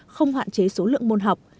không hạn chế số lượng môn học